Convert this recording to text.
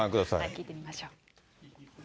見てみましょう。